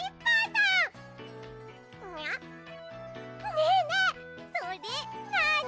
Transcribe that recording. ねえねえそれなあに？